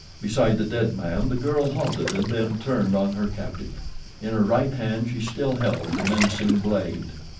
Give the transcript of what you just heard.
Beside the dead man the girl halted and then turned on her captive. In her right hand she still held the menacing blade.